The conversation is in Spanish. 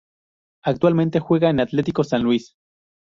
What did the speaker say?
Actualmente juega en Atletico San Luis.